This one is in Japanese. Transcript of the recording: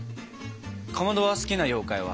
かまどは好きな妖怪は？